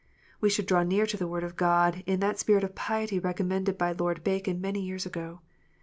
We should draw near to the Word of God in that spirit of piety recommended by Lord Bacon many years ago.